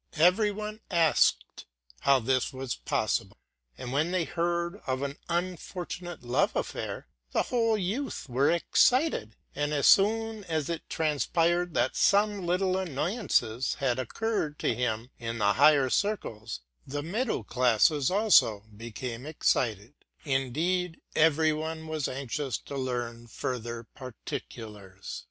Every one asked how this was possible: and, when they heard of an unfortunate love affair, the whole youth were excited ; and, as soon as it transpired that some little annoy ances had occurred to him in the higher circles, the middle classes also became excited; indeed, every one was anxious to learn further particulars.